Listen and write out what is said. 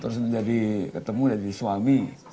harus menjadi ketemu jadi suami